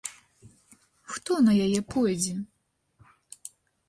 Хто на яе пойдзе?